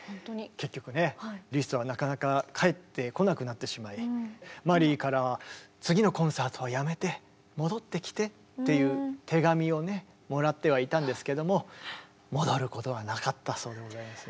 結局ねリストはなかなか帰ってこなくなってしまいマリーからは「次のコンサートはやめて戻ってきて」っていう手紙をねもらってはいたんですけども戻ることはなかったそうでございますね。